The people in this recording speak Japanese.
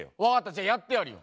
じゃあやってやるよ。